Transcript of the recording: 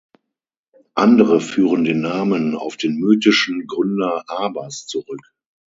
Andere führen den Namen auf den mythischen Gründer Abas zurück.